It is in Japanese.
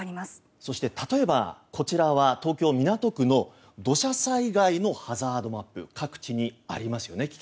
そして、例えばこちらは東京・港区の土砂災害のハザードマップ危険な場所が各地にありますよね。